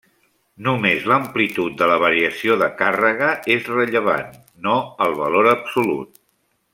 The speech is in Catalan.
Només l'amplitud de la variació de càrrega és rellevant, no el valor absolut.